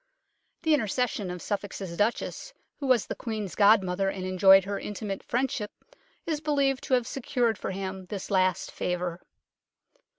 The intercession of Suffolk's Duchess, who was the Queen's godmother and enjoyed her intimate friendship, is believed to have secured for him this last favour.